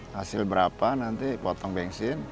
hasil berapa nanti potong bensin